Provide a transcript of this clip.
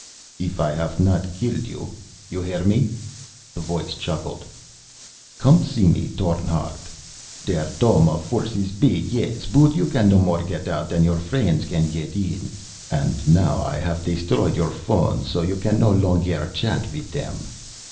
"If I haff not killed you, you hear me," the voice chuckled. "Come to see me, Thorn Hardt. Der dome of force iss big, yes, but you can no more get out than your friends can get in. And now I haff destroyed your phones so you can no longer chat with them.